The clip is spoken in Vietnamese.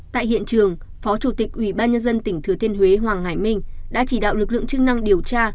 tại hiện trường phó chủ tịch ủy ban nhân dân tỉnh thừa thiên huế hoàng hải minh đã chỉ đạo lực lượng chức năng điều tra